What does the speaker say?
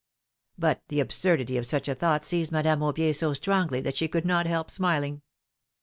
— But the absurdity of such a thought seized Madame Aubier so strongly that she could not help smiling.